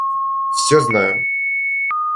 Всё знаю.